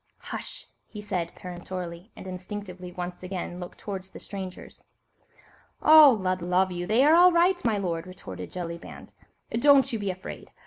"Hush!" he said peremptorily, and instinctively once again looked towards the strangers. "Oh! Lud love you, they are all right, my lord," retorted Jellyband; "don't you be afraid.